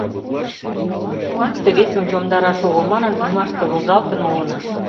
Икте-весым йомдараш огыл манын, ӱмаште возалтын улына.